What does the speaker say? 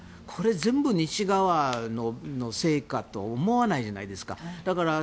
これ、全部西側のせいと思わないじゃないですか。